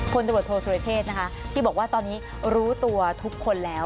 ตำรวจโทษสุรเชษนะคะที่บอกว่าตอนนี้รู้ตัวทุกคนแล้ว